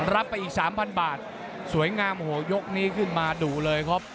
รับไปอีกสามพันบาทสวยงามโอ้โหยกนี้ขึ้นมาดุเลยครับ